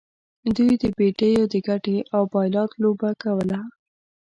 دوی د بیډیو د ګټې او بایلات لوبه کوله.